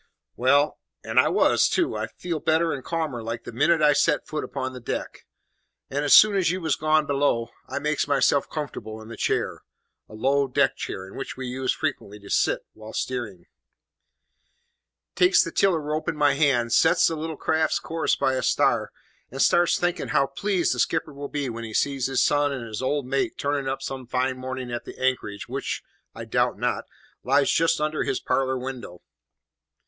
"Well, and I was too I felt better and calmer like the minute I set foot upon the deck; and, as soon as you was gone below, I makes myself comfortable in the chair," (a low deck chair in which we used frequently to sit whilst steering), "takes the tiller rope in my hand, sets the little craft's course by a star, and starts thinking how pleased the skipper will be when he sees his son and his old mate turning up some fine morning at the anchorage which, I doubt not, lies just under his parlour window.